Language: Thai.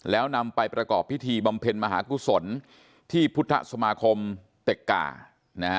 แล้วนำไปประกอบพิธีบำเพ็ญมหากุศลที่พุทธสมาคมเต็กกานะฮะ